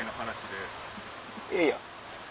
いやいや。